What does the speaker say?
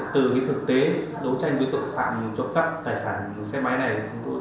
từ thực tế đấu tranh với tội phạm trộm cắp tài sản xe máy này